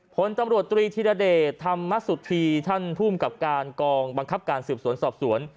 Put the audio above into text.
ผลตำรวจตรีธิรเดชธรรมสุธีท่านภูมิกับการกองบังคับการสืบสวนสอบสวน